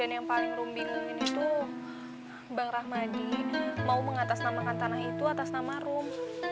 dan yang paling rum bingungin itu bang rahmadi mau mengatasnamakan tanah itu atas nama rum